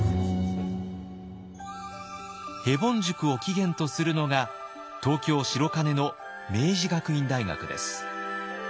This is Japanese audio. ヘボン塾を起源とするのが東京・白金の明治学院大学です。